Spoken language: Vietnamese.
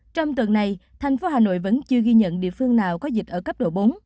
trong tuần này thành phố hà nội vẫn chưa ghi nhận địa phương nào có dịch ở cấp độ bốn